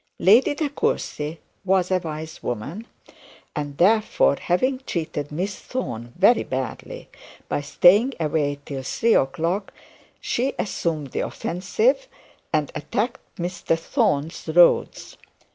Lady De Courcy was a wise woman; and therefore, having treated Miss Thorne very badly by staying away till three o'clock, she assumed the offensive and attacked Mr Thorne's roads.